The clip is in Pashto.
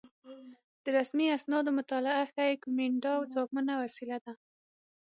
د رسمي اسنادو مطالعه ښيي کومېنډا ځواکمنه وسیله وه